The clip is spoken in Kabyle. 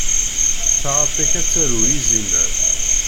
Taɣaṭ-ik ad d-tarew izimer.